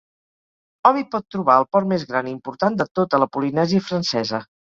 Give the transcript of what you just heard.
Hom hi pot trobar el port més gran i important de tota la Polinèsia Francesa.